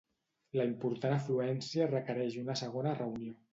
La important afluència requereix una segona reunió.